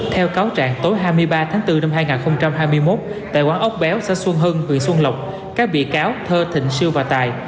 theo cáo trạng tối hai mươi ba tháng bốn năm hai nghìn hai mươi một tại quán ốc béo xã xuân hưng huyện xuân lộc các bị cáo thơ thịnh siêu và tài